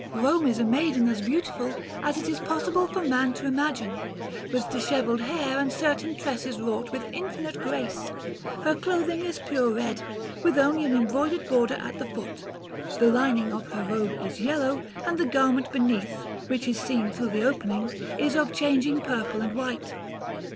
Rome is a maiden as beautiful as it is possible for man to imagine, with dishevelled hair and certain tresses wrought with infinite grace. Her clothing is pure red, with only an embroidered border at the foot; the lining of her robe is yellow, and the garment beneath, which is seen through the opening, is of changing purple and white.